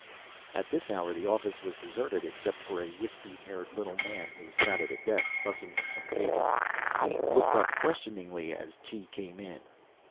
At this hour the office was deserted except for a wispy haired little man who sat at a desk fussing with some papers. He looked up questioningly as Tee came in.